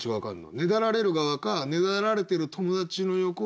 ねだられる側かねだられてる友達の横を。